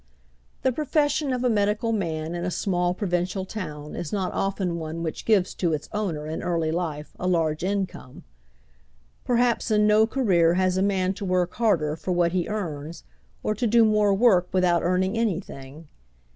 The profession of a medical man in a small provincial town is not often one which gives to its owner in early life a large income. Perhaps in no career has a man to work harder for what he earns, or to do more work without earning anything.